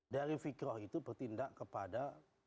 dari fikroh itu bertindak ke bahasa